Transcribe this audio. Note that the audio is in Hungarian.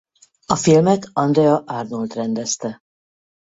A filmet Andrea Arnold rendezte.